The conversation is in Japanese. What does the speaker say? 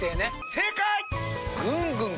正解！